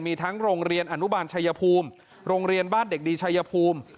มีทั้งโรงเรียนอนุบาลชายภูมิโรงเรียนบ้านเด็กดีชายภูมิ